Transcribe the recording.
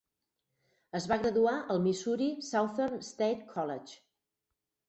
Es va graduar al Missouri Southern State College.